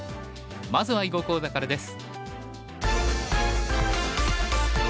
まずは囲碁講座からです。